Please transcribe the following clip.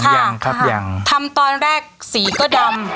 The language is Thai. ยังค่ะทำตอนแรกสีก็ดำ